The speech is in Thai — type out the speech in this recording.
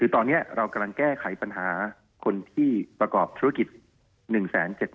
ต่อเนี่ยเรากำลังแก้ไขปัญหาคนที่ประกอบธุรกิจ